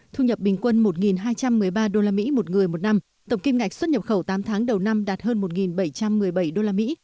thu nhập bình quân một hai trăm một mươi ba usd một người một năm tổng kim ngạch xuất nhập khẩu tám tháng đầu năm đạt hơn một bảy trăm một mươi bảy usd